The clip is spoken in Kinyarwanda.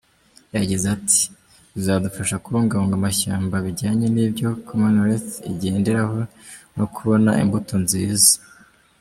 Yagize ati “ Bizadufasha kubungabunga amashyamba bijyanye n’ibyo Commonwealth igenderaho no kubona imbuto nziza.